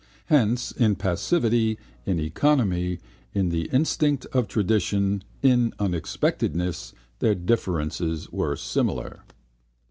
Hence, in passivity, in economy, in the instinct of tradition, in unexpectedness, their differences were similar.